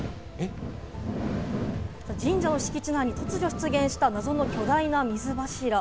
神社の敷地内に突如出現した謎の巨大な水柱。